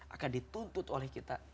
akan dituntut oleh kita